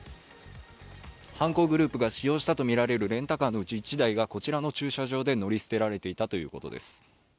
犯行グループが使用したとみられるレンタカーのうち１台がこちらの駐車場で乗り捨てられていたということです。